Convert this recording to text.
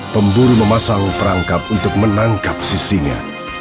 pemburu memasang perangkap untuk menangkap sisinya